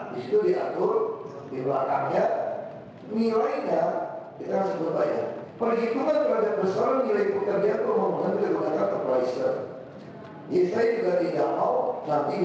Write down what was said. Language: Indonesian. perhitungan terhadap besaran diri pekerjaan jadi saya tanyain